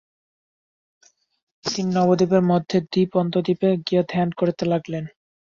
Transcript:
তিনি নবদ্বীপের মধ্য দ্বীপ আন্তর্দ্বীপে গিয়ে ধ্যান করতে লাগলেন।